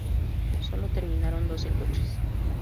Solo terminaron doce coches.